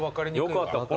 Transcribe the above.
よかった。